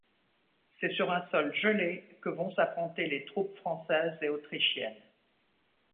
C'est sur un sol gelé que vont s'affronter les troupes françaises et autrichiennes.